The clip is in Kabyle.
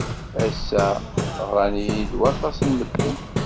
Ass-a ɣran-iyi-d waṭas n medden.